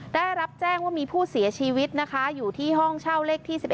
ได้รับแจ้งว่ามีผู้เสียชีวิตนะคะอยู่ที่ห้องเช่าเลขที่๑๑